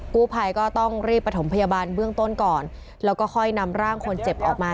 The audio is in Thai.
กู้ภัยก็ต้องรีบประถมพยาบาลเบื้องต้นก่อนแล้วก็ค่อยนำร่างคนเจ็บออกมา